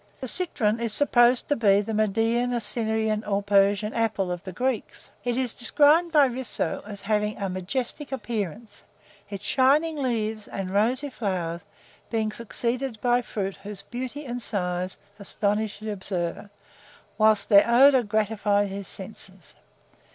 The citron is supposed to be the Median, Assyrian, or Persian apple of the Greeks. It is described by Risso as having a majestic appearance, its shining leaves and rosy flowers being succeeded by fruit whose beauty and size astonish the observer, whilst their odour gratifies his senses.